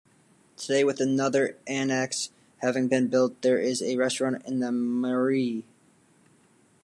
Today, with another annex having been built, there is a restaurant in the "Meierei".